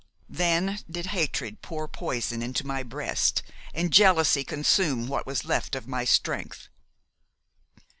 Then did hatred pour poison into my breast and jealousy consume what was left of my strength.